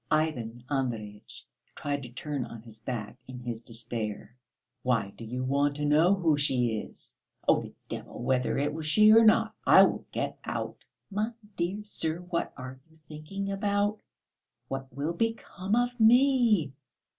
Ivan Andreyitch tried to turn on his back in his despair. "Why do you want to know who she is? Oh, the devil whether it was she or not, I will get out." "My dear sir! What are you thinking about? What will become of me?"